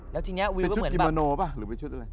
แล้วทีนี้วิวก็เหมือนแบบเป็นชุดกิมาโนหรือเป็นชุดอะไร